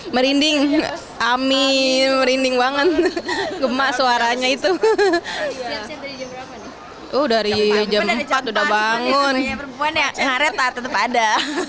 merinding amin merinding banget gemak suaranya itu udah dari jam empat udah bangun ada